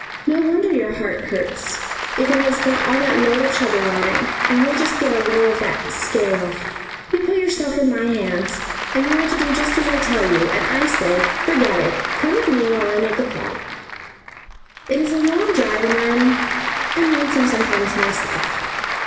"No wonder your heart hurts if it has got all that load of trouble on it, and we'll just get a little of that 'scare' off. You put yourself in my hands, and you are to do just as I tell you, and I say forget it! Come with me while I make a call. It is a long drive and I'm I'm lonesome sometimes myself."